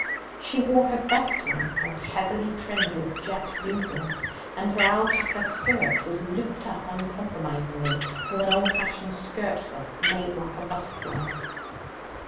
She wore her best mantle, heavily trimmed with jet bugles, and her alpaca skirt was looped up uncompromisingly with an old fashioned skirt hook made like a butterfly.